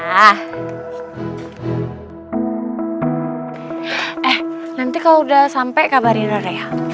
eh nanti kalau udah sampe kabarin ra ra ya